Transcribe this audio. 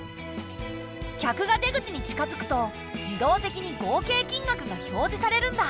客が出口に近づくと自動的に合計金額が表示されるんだ。